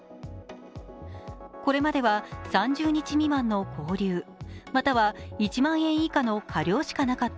これまでは３０日未満の拘留、または１万円以下の科料しかなかっ